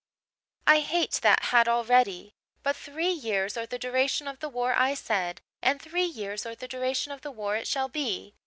"I hate that hat already. But three years or the duration of the war, I said, and three years or the duration of the war it shall be.